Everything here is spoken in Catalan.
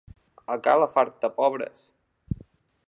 A ca l'afartapobres.